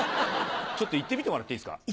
ちょっと言ってみてもらっていいですか？